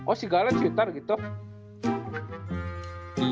oh si garland siutar gitu